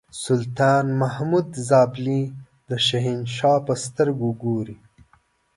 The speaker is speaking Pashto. سلطان محمود زابلي د شهنشاه په سترګه ګوري.